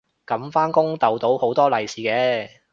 噉返工逗到好多利是嘅